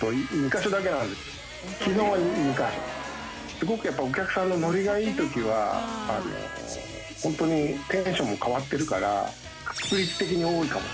「すごくお客さんのノリがいいときはホントにテンションも変わってるから確率的に多いかも」